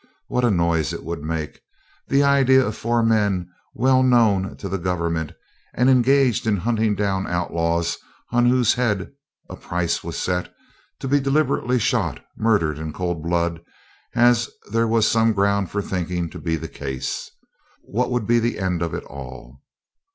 What a noise it would make! The idea of four men, well known to the Government, and engaged in hunting down outlaws on whose head a price was set, to be deliberately shot murdered in cold blood, as there was some ground for thinking to be the case. What would be the end of it all?